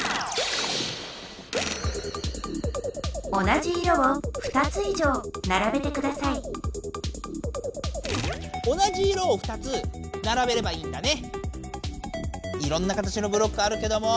同じ色を２つならべればいいんだね。